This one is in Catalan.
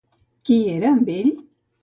Qui era amb ell?